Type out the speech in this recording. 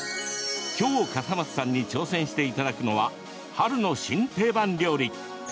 今日、笠松さんに挑戦していただくのは春の新定番料理。